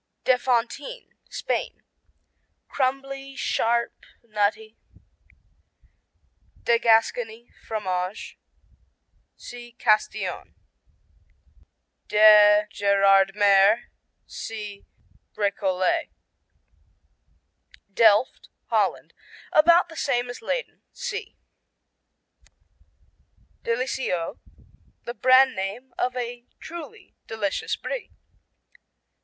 de Fontine Spain Crumbly, sharp, nutty. de Gascony, Fromage see Castillon. de Gérardmer see Récollet. Delft Holland About the same as Leyden. (See.) Délicieux The brand name of a truly delicious Brie.